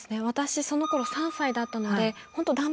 私そのころ３歳だったので本当